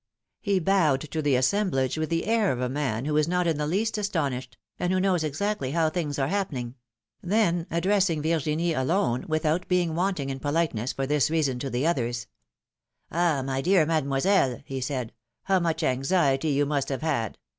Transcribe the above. He bowed to the assemblage with the air of a man who is not in the least astonished, and who knows exactly how things are happening; then, addressingVirginie alone, with out being wanting in politeness for this reason to the others : ^^Ah, my dear Mademoiselle!^^ he said, ^^how much anxiety you must have had